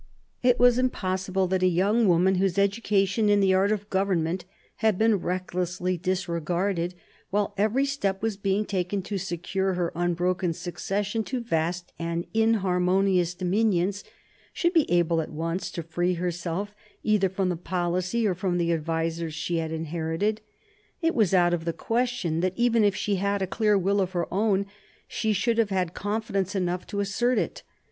It was impossible that a young woman, whose education in the art of government had been recklessly disregarded, while every step was being taken to secure her unbroken succession to vast and inharmonious dominions, should be able at once to free herself either from the policy or from the advisers she had inherited. It was out of the question that even if she had a clear will of her own, she should have had confidence enough to assert it.